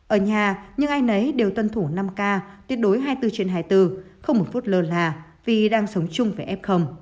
ở nhà nhưng ai nấy đều tuân thủ năm k tuyệt đối hai mươi bốn trên hai mươi bốn không một phút lơ là vì đang sống chung với f